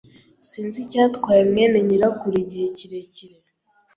Sinzi icyatwaye mwene nyirakuru igihe kirekire.